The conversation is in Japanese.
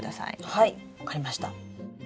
はい分かりました。